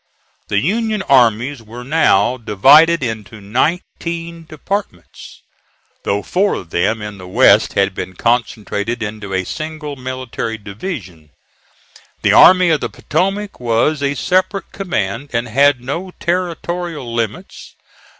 The Union armies were now divided into nineteen departments, though four of them in the West had been concentrated into a single military division. The Army of the Potomac was a separate command and had no territorial limits.